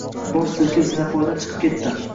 Bosh silkib, zinapoyadan chiqib ketdi